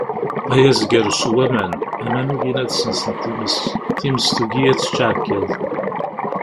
Ay azger sew aman, aman ugin ad sensen times, times tugi ad tečč aɛekkaz.